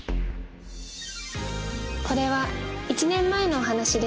これは１年前のお話です